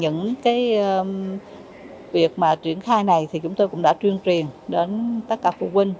những cái việc mà triển khai này thì chúng tôi cũng đã truyền truyền đến tất cả phụ huynh